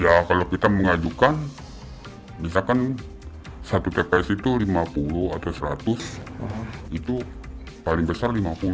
ya kalau kita mengajukan misalkan satu tps itu lima puluh atau seratus itu paling besar lima puluh